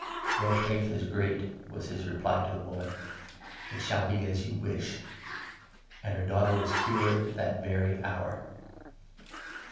"" Your faith is great," was his reply to the woman ;" it shall 28 be as vou wish !" And her daughter was cured that very hour.